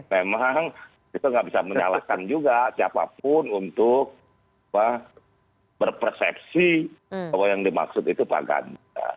memang kita nggak bisa menyalahkan juga siapapun untuk berpersepsi bahwa yang dimaksud itu pak ganda